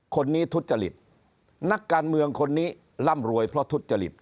คนนี้ทุจริตนักการเมืองคนนี้ร่ำรวยเพราะทุจริต